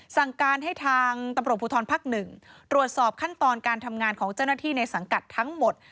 สั่งการให้ทางตำรวจภูทรภักดิ์๑ตรวจสอบขั้นตอนการทำงานของเจ้าหน้าที่ในสังกัดทั้งหมด